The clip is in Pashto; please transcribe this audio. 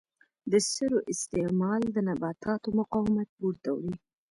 د سرو استعمال د نباتاتو مقاومت پورته وړي.